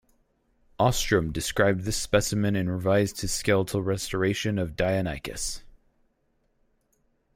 Ostrom described this specimen and revised his skeletal restoration of "Deinonychus".